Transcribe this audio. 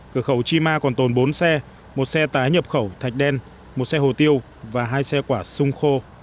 cửa khẩu chima còn tồn bốn xe một xe tái nhập khẩu thạch đen một xe hồ tiêu và hai xe quả sung khô